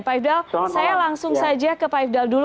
pak ifdal saya langsung saja ke pak ifdal dulu